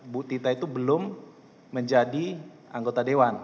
bu tita itu belum menjadi anggota dewan